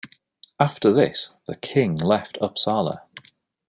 After this, the King left Uppsala.